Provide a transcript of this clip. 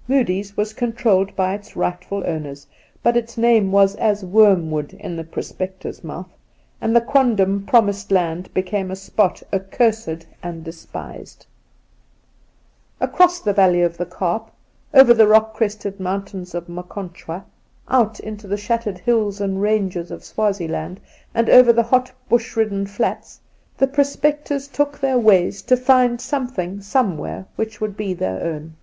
' Hoodie's ' was controlled by its rightful owners, but its name was as wormwood in the prospector's mouth, and the quondam Promised Land became a spot accursed and despised. Induna Nairn 79 Across the valley of the Kaap, over the rock crested mountains of Maconchwa, out into the shattered hills and ranges of Swazieland, and over the hot hush hidden flats the prospectors took their ways to find something somewhere which would be their own.